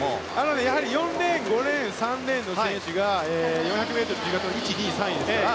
やはり４レーン、５レーン３レーンの選手が４００ｍの１、２、３位ですから。